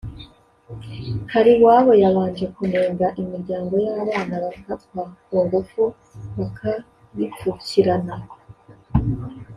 Kaliwabo yabanje kunenga imiryango y’abana bafatwa ku ngufu bakabipfukirana